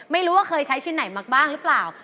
ไม่รู้ว่าเคยใช้ชิ้นไหนมาบ้างหรือเปล่า